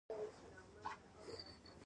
د ځیګر د غوړ لپاره د لیمو او اوبو ګډول وڅښئ